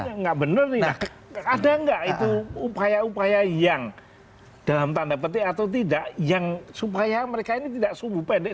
ya nggak benar ada nggak itu upaya upaya yang dalam tanda petik atau tidak yang supaya mereka ini tidak subuh pendek